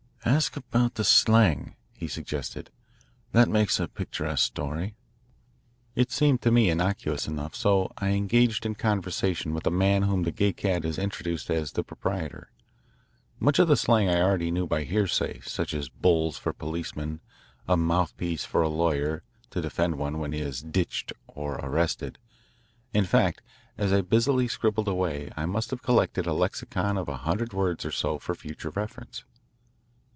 "Ask about the slang," he suggested. "That makes a picturesque story." It seemed to me innocuous enough, so I engaged in conversation with a man whom the Gay Cat had introduced as the proprietor. Much of the slang I already knew by hearsay, such as "bulls" for policemen, a "mouthpiece" for a lawyer to defend one when he is "ditched" or arrested; in fact, as I busily scribbled away I must have collected a lexicon of a hundred words or so for future reference.